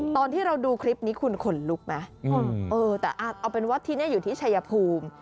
ตอนที่เราดูคลิปนี้คุณขนลุกไหมเออแต่เอาเป็นว่าที่นี่อยู่ที่ชายภูมิ